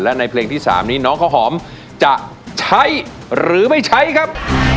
และในเพลงที่๓นี้น้องข้าวหอมจะใช้หรือไม่ใช้ครับ